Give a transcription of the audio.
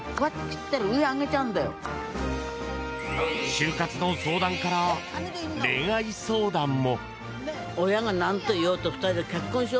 就活の相談から恋愛相談も。